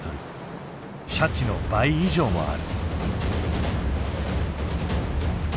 シャチの倍以上もある。